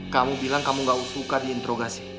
kamu bilang kamu gak suka diinterogasi